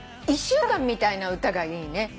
『一週間』みたいな歌がいいね。